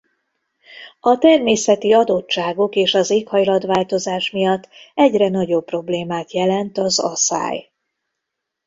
A természeti adottságok és az éghajlatváltozás miatt egyre nagyobb problémát jelent az aszály.